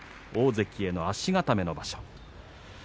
大関への足固めの場所